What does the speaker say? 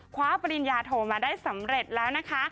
ปริญญาโทมาได้สำเร็จแล้วนะคะ